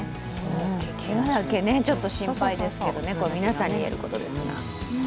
けがだけ、ちょっと心配ですけどね、皆さんに言えることですが。